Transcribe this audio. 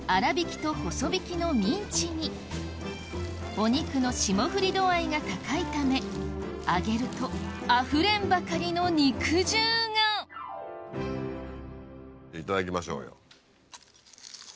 お肉の霜降り度合いが高いため揚げるとあふれんばかりの肉汁がいただきましょうよ。